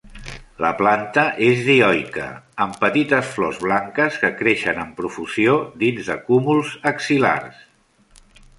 La planta és dioica, amb petites flors blanques que creixen amb profusió dins de cúmuls axil·lars.